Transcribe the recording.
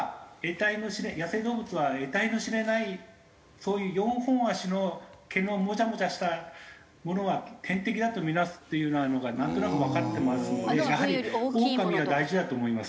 野生動物は得体の知れないそういう４本足の毛のモジャモジャしたものは天敵だとみなすっていうのがなんとなくわかってますのでやはりオオカミは大事だと思います。